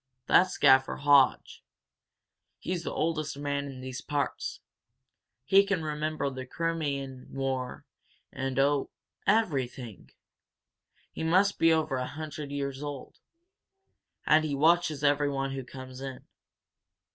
"That's Gaffer Hodge. He's the oldest man in these parts. He can remember the Crimean War and oh, everything! He must be over a hundred years old. And he watches everyone who comes in.